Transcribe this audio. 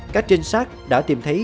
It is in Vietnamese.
các trinh sát đã tìm thấy